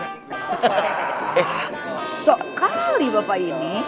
eh sekali bapak ini